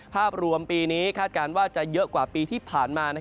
ภาพรวมปีนี้คาดการณ์ว่าจะเยอะกว่าปีที่ผ่านมา